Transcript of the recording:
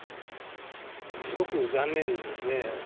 すごく残念ですね。